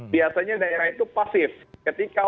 biasanya daerah itu pasif ketika